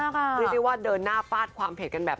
เรียกได้ว่าเดินหน้าฟาดความเผ็ดกันแบบ